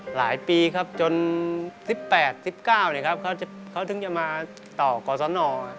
หลายปีครับจน๑๘๑๙ครับเค้าถึงจะมาต่อกศน